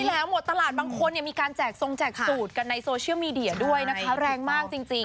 แล้วหมดตลาดบางคนมีการแจกทรงแจกสูตรกันในโซเชียลมีเดียด้วยนะคะแรงมากจริง